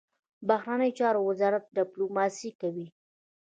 بهرنیو چارو وزارت ډیپلوماسي کوي